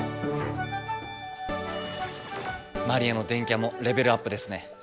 マリアの電キャもレベルアップですね。